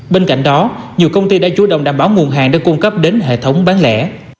bên cạnh đó nhiều công ty đã chú động đảm bảo nguồn hàng để cung cấp đến hệ thống bán lẻ